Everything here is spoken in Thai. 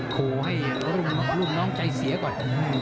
โค้ให้รุ่นน้องใจเสียก่อน